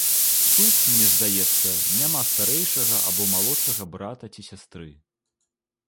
Тут, мне здаецца, няма старэйшага або малодшага брата ці сястры.